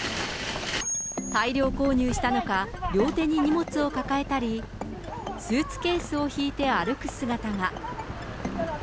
大量購入したのか、両手に荷物を抱えたり、スーツケースを引いて歩く姿が。